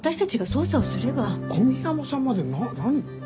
小宮山さんまで何を。